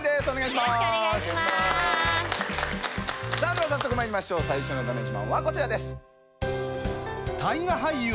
さあでは早速まいりましょう最初のだめ自慢はこちらです。